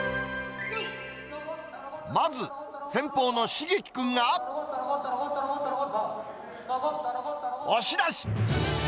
まず、先鋒のしげき君が、押し出し。